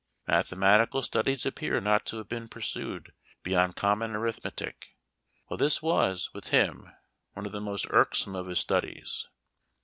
Mathematical studies appear not to have been pursued beyond common arithmetic ; while this was, with him, one of the most irk some of his studies.